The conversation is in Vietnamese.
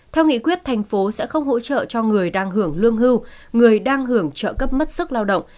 theo nghị quyết thành phố sẽ không hỗ trợ cho người đang hưởng lương hưu người đang hưởng trợ cấp mất sức lao động